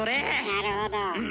なるほど。